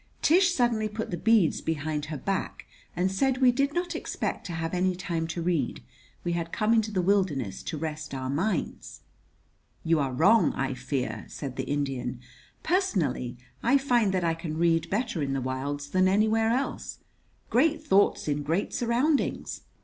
Tish suddenly put the beads behind her back and said we did not expect to have any time to read. We had come into the wilderness to rest our minds. "You are wrong, I fear," said the Indian. "Personally I find that I can read better in the wilds than anywhere else. Great thoughts in great surroundings!